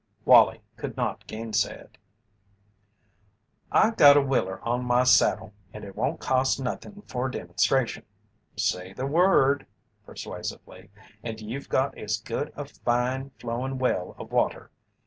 Wallie could not gainsay it. "I got a willer on my saddle and it won't cost nothin' for a demonstration. Say the word," persuasively, "and you've good as got a fine, flowing well of water."